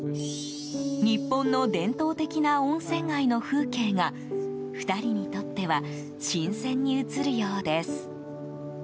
日本の伝統的な温泉街の風景が２人にとっては新鮮に映るようです。